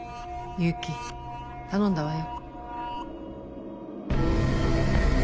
結城頼んだわよ。